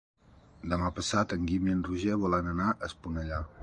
Demà passat en Guim i en Roger volen anar a Esponellà.